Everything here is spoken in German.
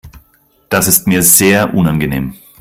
Das ist mir sehr unangenehm.